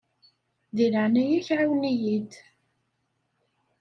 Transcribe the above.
Di leɛnaya-k ɛawen-iyi-d.